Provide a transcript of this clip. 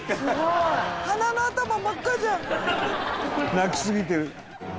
泣きすぎてる。